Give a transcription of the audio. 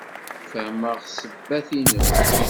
Fehmeɣ ssebbat-inem.